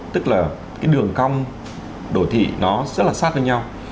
tức là cái đường cong đồ thị nó rất là sát với nhau